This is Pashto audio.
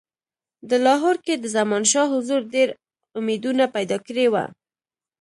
د لاهور کې د زمانشاه حضور ډېر امیدونه پیدا کړي وه.